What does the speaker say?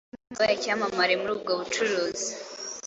Guzman yabaye icyamamare muri ubwo bucuruzi,